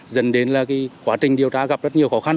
dẫn đến là quá trình điều tra gặp rất nhiều khó khăn